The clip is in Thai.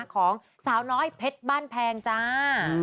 ของสาวน้อยเพชรบ้านแพงจ้า